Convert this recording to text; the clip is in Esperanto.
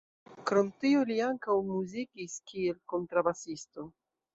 Krom tio li ankaŭ muzikis kiel kontrabasisto.